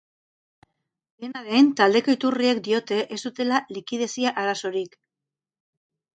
Dena den, taldeko iturriek diote ez dutela likidezia arazorik.